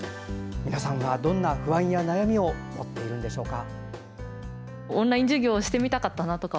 皆さんどんな不安や悩みを持っているんでしょうか。